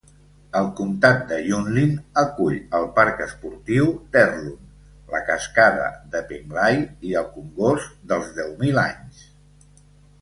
El comtat de Yunlin acull el parc esportiu d'Erlun, la cascada de Penglai i el congost dels Deu Mil Anys.